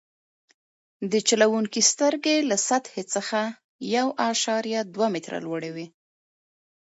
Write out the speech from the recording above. د چلوونکي سترګې له سطحې څخه یو اعشاریه دوه متره لوړې وي